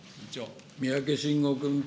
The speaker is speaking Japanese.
三宅伸吾君。